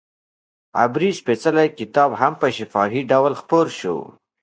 عبري سپېڅلی کتاب هم په شفاهي ډول خپور شو.